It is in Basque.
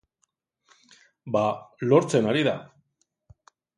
Ba, lortzen ari da.